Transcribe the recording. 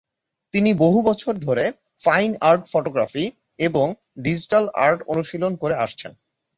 তিনি বহু বছর ধরে ফাইন আর্ট ফটোগ্রাফি এবং ডিজিটাল আর্ট অনুশীলন করে আসছেন।